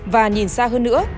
và nhìn xa hơn nữa